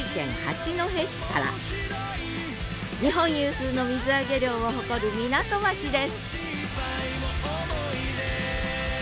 日本有数の水揚げ量を誇る港町です